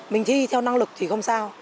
mình thi theo năng lực thì không sao